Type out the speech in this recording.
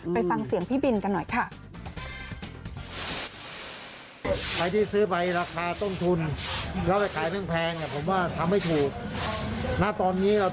ไปฟังเสียงพี่บินกันหน่อยค่ะ